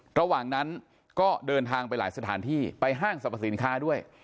ระหว่างนั้นก็เดินทางไปหลายสถานที่ไปห้างสรรพสินค้าด้วย